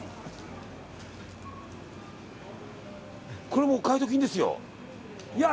これもお買い得品ですよ。